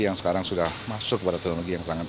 yang sekarang sudah masuk pada teknologi yang sangat